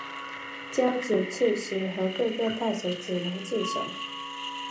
交址刺史和各个太守只能自守。